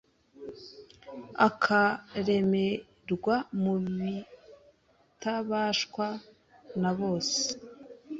akaremerwa mu kitabashwa nabose